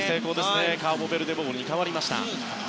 カーボベルデボールに変わりました。